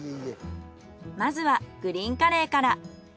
まずはグリーンカレーから。